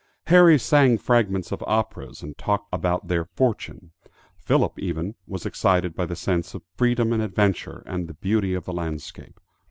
Harry sang fragments of operas and talked about their fortune. Philip even was excited by the sense of freedom and adventure, and the beauty of the landscape.